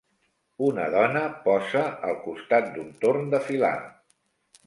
Una dona posa al costat d'un torn de filar.